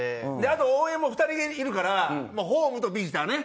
あと応援も２人いるからホームとビジターね！